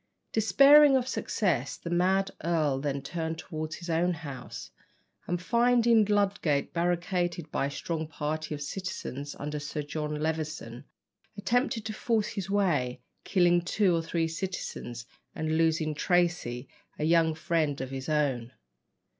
Despairing of success, the mad earl then turned towards his own house, and finding Ludgate barricaded by a strong party of citizens under Sir John Levison, attempted to force his way, killing two or three citizens, and losing Tracy, a young friend of his own.